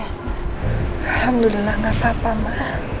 alhamdulillah gak apa apa mbak